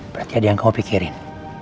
berarti ada yang kau pikirin